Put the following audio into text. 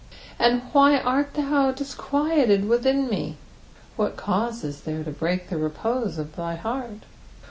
"And v>bp art thou disqnUled tcitkia met" What cause is there to break the repose of thy heart